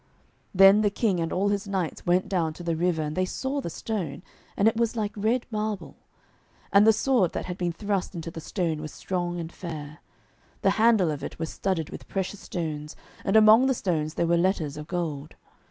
Then the King and all his knights went down to the river, and they saw the stone, and it was like red marble. And the sword that had been thrust into the stone was strong and fair. The handle of it was studded with precious stones, and among the stones there were letters of gold.